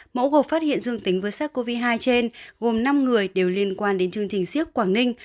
mẫu gộp phát hiện dương tính với sars cov hai trên gồm năm người đều liên quan đến chương trình siếc quảng ninh